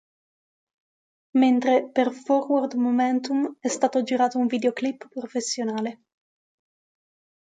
Mentre, per "Forward Momentum" è stato girato un videoclip professionale.